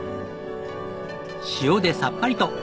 塩でさっぱりと。